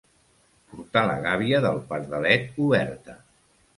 Portar la gàbia del pardalet oberta.